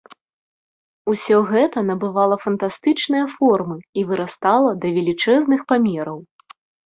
Усё гэта набывала фантастычныя формы і вырастала да велічэзных памераў.